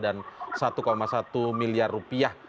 dan satu satu miliar rupiah